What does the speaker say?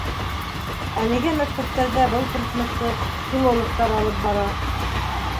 Әлегә мәктәптәрҙә был предметты филологтар алып бара.